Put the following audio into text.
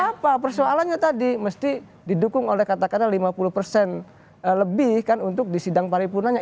apa persoalannya tadi mesti didukung oleh katakanlah lima puluh persen lebih kan untuk di sidang paripurnanya